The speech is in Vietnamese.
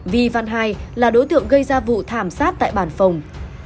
vi văn hai là đối tượng gây ra vụ thảm sát tại bàn phòng